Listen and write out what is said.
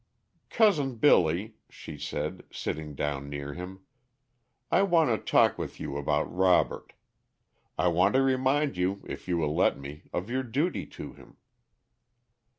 "Cousin Billy," she said, sitting down near him, "I want to talk with you about Robert. I want to remind you, if you will let me, of your duty to him."